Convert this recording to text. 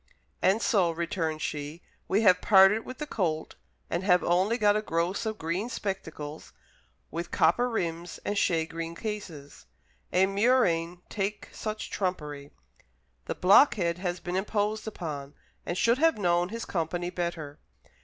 "And so," returned she, "we have parted with the colt, and have only got a gross of green spectacles, with copper rims and shagreen cases! A murrain take such trumpery! The blockhead has been imposed upon, and should have known his company better."